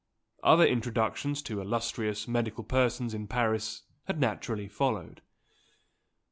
Other introductions to illustrious medical persons in Paris had naturally followed.